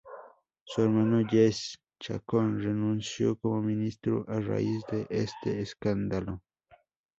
Su hermano Jesse Chacón renunció como ministro a raíz de este escándalo.